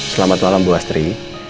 selamat malam bu asri